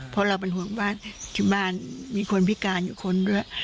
เพราะเราเป็นห่วงบ้านที่บ้านมีคนพิการอยู่คนด้วย